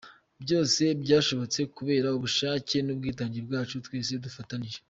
Byose byashobotse kubera ubushake n'ubwitange bwacu twese dufatanije.